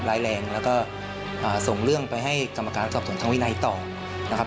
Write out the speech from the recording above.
ร้ายแรงแล้วก็ส่งเรื่องไปให้กรรมการสอบส่วนทางวินัยต่อนะครับ